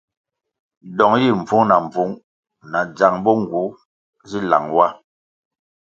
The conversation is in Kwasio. Dong yih mbvung na mbvung na dzang bo nğu si lang wa.